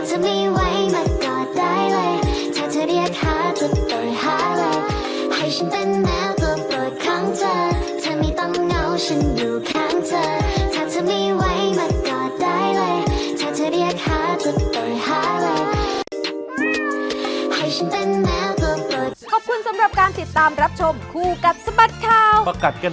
ถ้าเธอไม่ไหวมากอดได้เลยถ้าเธอเรียกหาจะต่อหาเลย